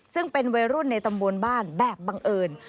ซึ่งเป็นวัยรุ่นในตำบลบ้านแบบบังเอิญ